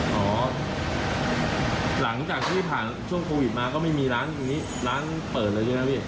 หลังจากที่ผ่านช่วงโควิดมาก็ไม่มีร้านเปิดเลยใช่ไหมพี่